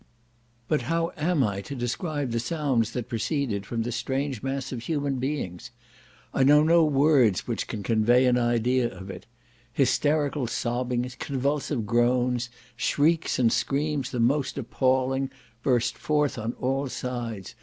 But how am I to describe the sounds that proceeded from this strange mass of human beings? I know no words which can convey an idea of it. Hysterical sobbings, convulsive groans, shrieks and screams the most appalling, burst forth on all sides.